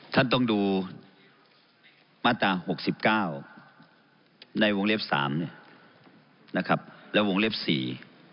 ท่านต้องดูมาตรา๖๙ในวงเรียบ๓นะครับและวงเรียบ๔